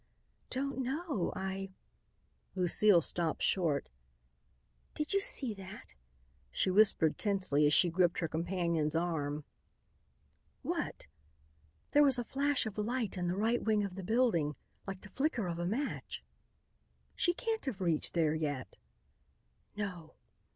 "Don't know. I " Lucile stopped short. "Did you see that?" she whispered tensely as she gripped her companion's arm. "What?" "There was a flash of light in the right wing of the building, like the flicker of a match." "She can't have reached there yet." "No."